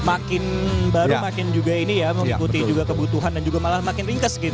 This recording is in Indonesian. makin baru makin juga ini ya mengikuti juga kebutuhan dan juga malah makin ringkas gitu